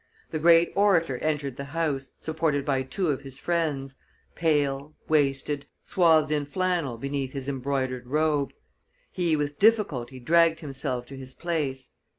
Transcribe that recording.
The great orator entered the House, supported by two of his friends, pale, wasted, swathed in flannel beneath his embroidered robe. He with difficulty dragged himself to his place.